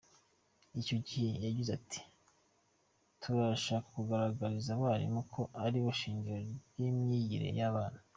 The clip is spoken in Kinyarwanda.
Icyo gihe yagize ati “Turashaka kugaragariza abarimu ko aribo shingiro y’imyigire y’abana.